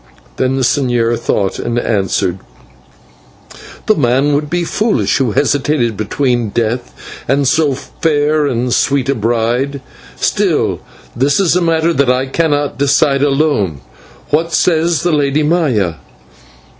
Now the señor thought and answered: "The man would be foolish who hesitated between death and so fair and sweet a bride. Still, this is a matter that I cannot decide alone. What says the Lady Maya?"